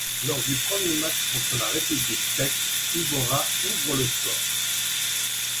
Lors du premier match contre la République tchèque, Iborra ouvre le score.